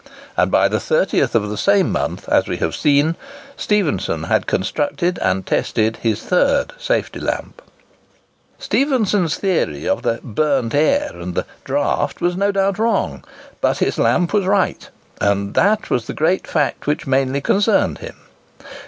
And by the 30th of the same month, as we have seen, Stephenson had constructed and tested his third safety lamp. [Picture: Davy's and Stephenson's Safety Lamps] Stephenson's theory of the "burnt air" and the "draught" was no doubt wrong; but his lamp was right, and that was the great fact which mainly concerned him.